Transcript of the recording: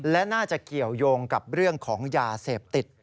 และน่าจะเกี่ยวยงกับเรื่องของยาเสพติด